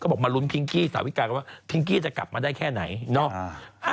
บอกมาลุ้นพิงกี้สาวิกากันว่าพิงกี้จะกลับมาได้แค่ไหนเนาะ